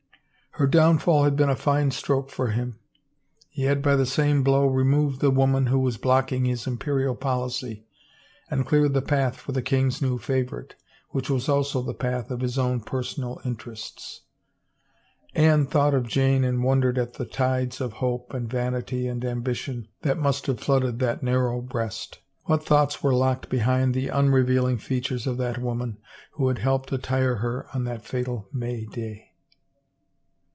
Her downfall had been a fine stroke for him ; he had by the same blow removed the woman who was blocking his Imperial policy, and cleared the path for the king's new favorite, which was also the path of his own personal interests. ... Anne thought of Jane and wondered at the tides of hope and vanity and ambition that must have flooded that narrow breast. What thoughts were locked behind the unrevealing features of that woman who had helped attire her on that fatal May Day